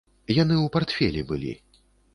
Яны ў партфелі былі.